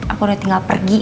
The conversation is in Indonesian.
aku udah tinggal pergi